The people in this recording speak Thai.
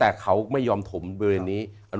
แต่เขาไม่ยอมถมเบอร์นี้